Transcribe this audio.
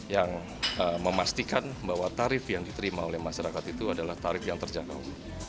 yang memastikan bahwa tarif yang diterima oleh masyarakat itu adalah tarif yang terjangkau